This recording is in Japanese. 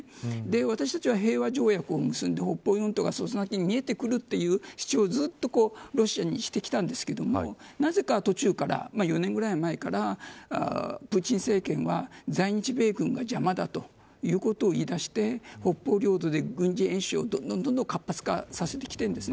私たちは平和条約を結んで北方四島がその先に見えてくるという主張をずっとロシアにしてきたんですがなぜか４年ぐらい前からプーチン政権は在日米軍が邪魔だということを言い出して北方領土で軍事演習をどんどん活発化させてきているんです。